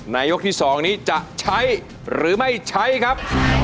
ยกที่๒นี้จะใช้หรือไม่ใช้ครับ